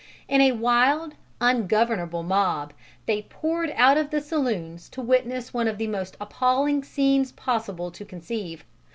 In a wild ungovernable mob they poured out of the saloons to witness one of the most appalling scenes possible to conceive....